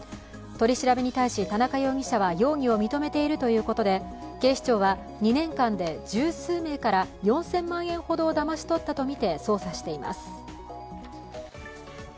取り調べに対し田中容疑者は容疑を認めているということで警視庁は２年間で十数名から４０００万円ほどだまし取ったとみて捜査しています。